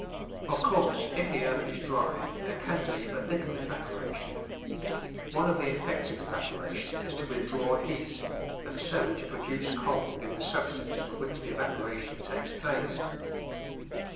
Of course, if the earth is dry there can be but little evaporation. One of the effects of evaporation is to withdraw heat, and so to produce cold in the substance from which the evaporation takes place.